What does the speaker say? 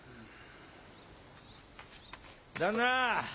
・旦那！